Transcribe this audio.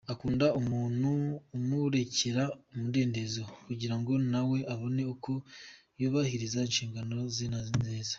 Akunda umuntu umurekera umudendezo kugira ngo na we abone uko yubahiriza inshingano ze neza.